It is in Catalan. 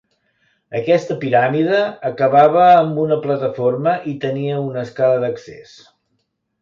Aquesta piràmide acabava amb una plataforma i tenia una escala d'accés.